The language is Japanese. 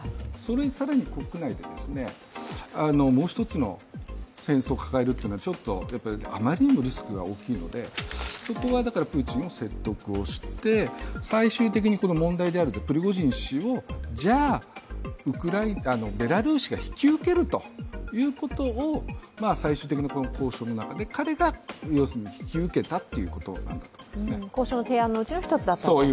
更に国内で、もう１つの戦争を抱えるというのはあまりにもリスクが大きいので、プーチン氏を説得して、最終的に問題であるプリゴジン氏をベラルーシが引き受けるということを最終的な交渉の中で彼が引き受けたということなんだと思います。